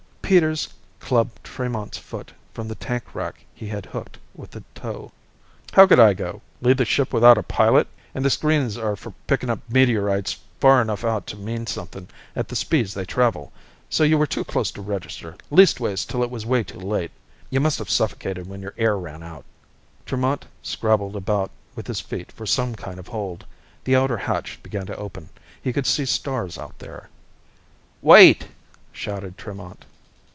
Peters clubbed Tremont's foot from the tank rack he had hooked with the toe. "How could I go? Leave the ship without a pilot? An' the screens are for pickin' up meteorites far enough out to mean somethin' at the speeds they travel. So you were too close to register, leastways till it was way too late. You must have suffocated when your air ran out." Tremont scrabbled about with his feet for some kind of hold. The outer hatch began to open. He could see stars out there. "Wait!" shouted Tremont.